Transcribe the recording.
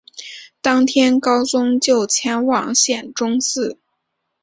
当天高宗就前往显忠寺。